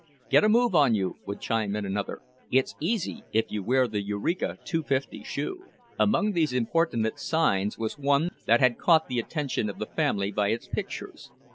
"Get a move on you!" would chime in another. "It's easy, if you wear the Eureka Two fifty Shoe." Among these importunate signs was one that had caught the attention of the family by its pictures.